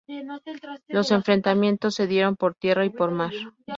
Los enfrentamientos se dieron por tierra y por mar.